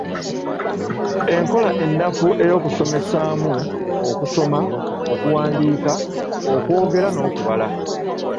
Enkola ennafu ey’okusomesaamu okusoma, okuwandiika, okwogera n’okubala.